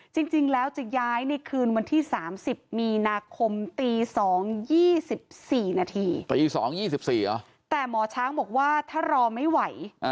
จริงแล้วจะย้ายในคืนวันที่๓๐มีนาคมตี๒๒๔นาทีตี๒๒๔เหรอแต่หมอช้างบอกว่าถ้ารอไม่ไหว